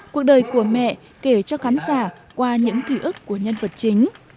cuộc đời của mẹ kể cho khán giả qua những ký ức của nhân vật chính